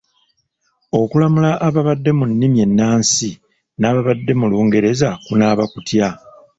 Okulamula ababadde mu nnimi ennansi n’ababadde mu Lungereza kunaaba kutya?